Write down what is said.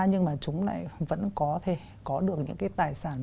nhưng chúng vẫn có thể có được những tài sản